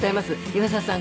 岩沢さん